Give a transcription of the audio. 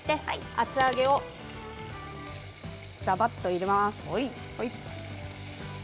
厚揚げをじゃばっと入れます。